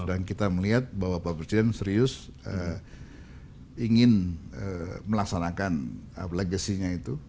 dan kita melihat bahwa pak presiden serius ingin melaksanakan legasinya itu